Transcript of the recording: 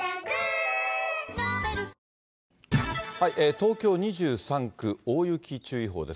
東京２３区、大雪注意報です。